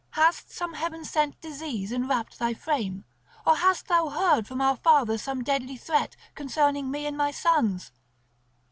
Has some heaven sent disease enwrapt thy frame, or hast thou heard from our father some deadly threat concerning me and my sons?